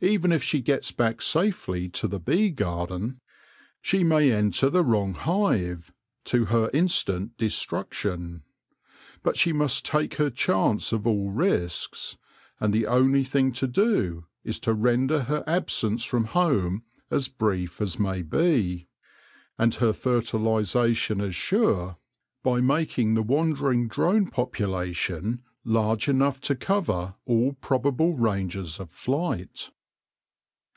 Even if she gets back safely to the bee garden, she may enter the wrong hive, to her instant destruction. But she must take her chance of all risks ; and the only thing to do is to render her absence from home as brief as may be, and her fertilisation as sure, by 166 THE LORE OF THE HONEY BEE making the wandering drone population large enough to cover all probable ranges of flight.